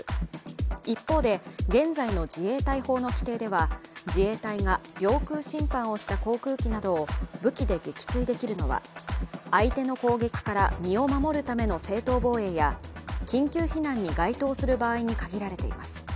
一方で、現在の自衛隊法の規定では自衛隊が領空侵犯をした航空機などを武器で撃墜できるのは相手の攻撃から身を守るための正当防衛や緊急避難に該当する場合に限られています。